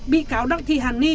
bị cáo đặng thi hàn ni